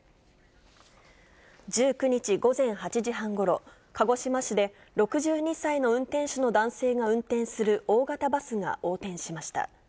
１９日午前８時半ごろ、鹿児島市で６２歳の運転手の男性が運転する大型バスが横転しました。